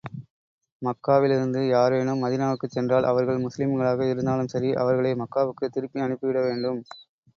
மக்காவிலிருந்து யாரேனும் மதீனாவுக்குச் சென்றால், அவர்கள் முஸ்லிம்களாக இருந்தாலும் சரி, அவர்களை மக்காவுக்குத் திருப்பி அனுப்பி விட வேண்டும்.